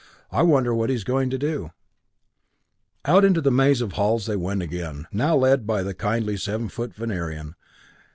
I wonder what he is going to do?" Out into the maze of halls they went again, now led by the kindly seven foot Venerian.